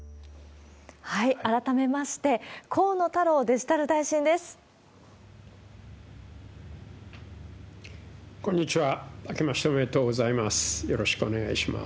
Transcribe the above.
改めまして、河野太郎デジタル大臣です。